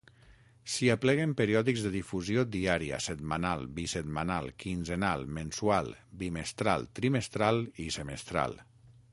S'hi apleguen periòdics de difusió diària, setmanal, bisetmanal, quinzenal, mensual, bimestral, trimestral i semestral.